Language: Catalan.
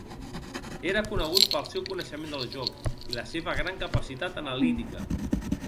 Era conegut pel seu coneixement del joc, i la seva gran capacitat analítica.